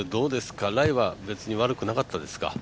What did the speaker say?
ライはよくなかったですか？